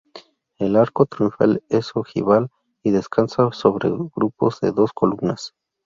El arco triunfal es ojival y descansa sobre grupos de dos columnas.